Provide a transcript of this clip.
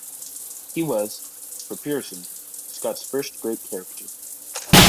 He was, for Pearson, Scott's first great character.